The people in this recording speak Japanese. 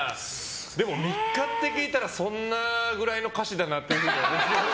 でも３日って聞いたらそんなぐらいの歌詞だなと思うよね。